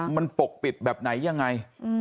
มันปกปิดแบบไหนยังไง